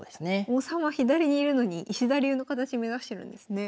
王様左にいるのに石田流の形目指してるんですね。